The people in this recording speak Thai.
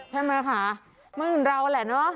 ใช่ไหมคะเมืองเราแหละเนอะ